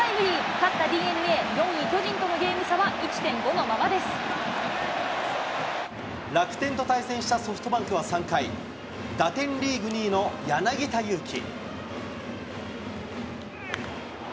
勝ったＤｅＮＡ、４位巨人とのゲ楽天と対戦したソフトバンクは３回、打点リーグ２位の柳田悠岐。